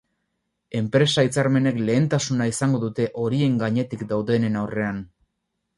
Enpresa hitzarmenek lehentasuna izango dute horien gainetik daudenen aurrean.